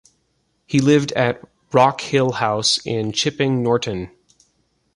He lived at Rock Hill House in Chipping Norton.